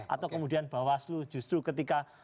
atau kemudian bawaslu justru ketika